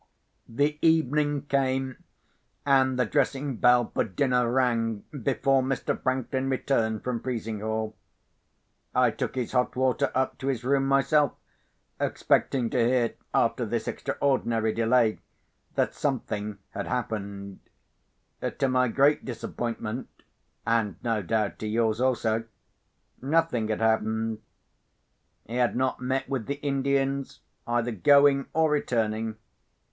The evening came, and the dressing bell for dinner rang, before Mr. Franklin returned from Frizinghall. I took his hot water up to his room myself, expecting to hear, after this extraordinary delay, that something had happened. To my great disappointment (and no doubt to yours also), nothing had happened. He had not met with the Indians, either going or returning.